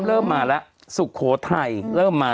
กรมป้องกันแล้วก็บรรเทาสาธารณภัยนะคะ